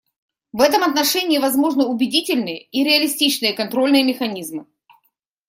В этом отношении возможны убедительные и реалистичные контрольные механизмы.